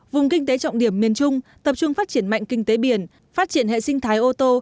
vùng kinh tế trọng điểm miền trung tập trung phát triển mạnh kinh tế biển phát triển hệ sinh thái ô tô